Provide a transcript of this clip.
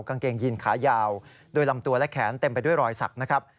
กางเกงยีนขายาวโดยลำตัวและแขนเต็มไปด้วยรอยสักนะครับ